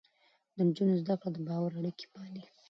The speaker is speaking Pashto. د نجونو زده کړه د باور اړيکې پالي.